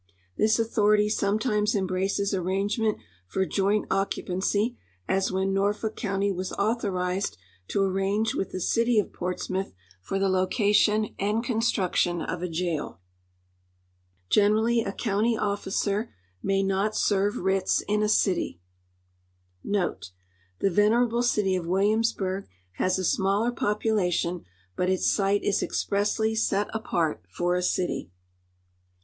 This authority sometimes embraces arrangement for joint occupancy, as when Norfolk county was authorized to arrange with the city of Portsmouth for the location and construction of a jail. Generally, a county odiccr may not serve writs in a city. Ex ceptionally, he can serve writs in the city on residents of bis » Tho venerable city of WilliuinsburK has a smaller population, but its site is expressly set apart for a city.